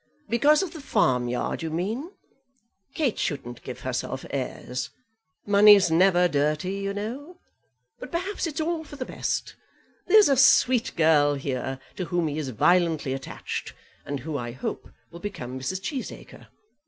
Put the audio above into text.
"Because of the farmyard, you mean? Kate shouldn't give herself airs. Money's never dirty, you know. But perhaps it's all for the best. There's a sweet girl here to whom he is violently attached, and who I hope will become Mrs. Cheesacre.